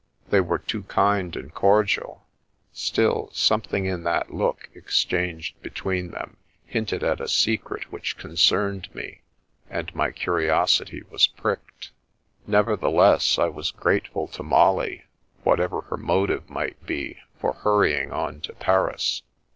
They were too kind and cor dial; still, something in that look exchanged be tween them hinted at a secret which concerned me, and my curiosity was pricked. Nevertheless, I was grateful to Molly, whatever her motive might be for hurrying on to Paris.